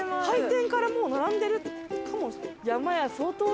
開店からもう並んでるかも。